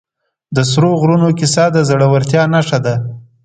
د سرو غرونو کیسه د زړه ورتیا نښه ده.